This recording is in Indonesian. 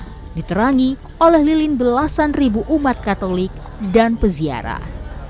yang diterangi oleh lilin belasan ribu umat katolik dan peziarah